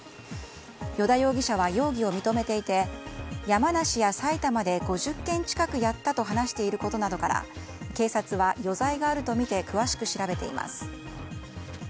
依田容疑者は容疑を認めていて山梨や埼玉で５０件近くやったと話していることなどから警察は余罪があるとみて詳しく調べています。